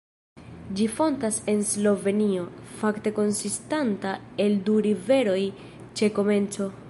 Ĝi fontas en Slovenio, fakte konsistanta el du riveroj ĉe komenco.